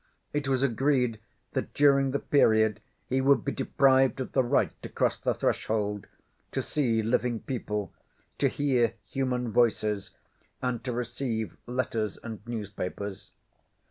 It was agreed that during the period he would be deprived of the right to cross the threshold, to see living people, to hear human voices, and to receive letters and newspapers.